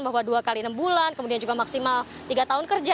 bahwa dua kali enam bulan kemudian juga maksimal tiga tahun kerja